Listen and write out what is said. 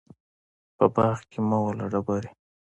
په باغ کې مه وله ډبري